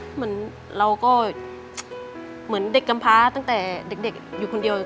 เหมือนเราก็เหมือนเด็กกำพ้าตั้งแต่เด็กอยู่คนเดียว